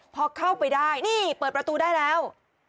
พอเข้าไปได้นี่เปิดประตูได้แล้ว